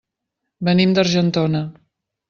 Venim d'Argentona.